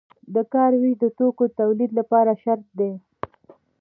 د کار ویش د توکو د تولید لپاره شرط دی.